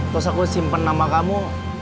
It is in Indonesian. terus aku simpen nama kamu